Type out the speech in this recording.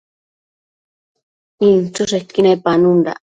inchËshequi nepanundac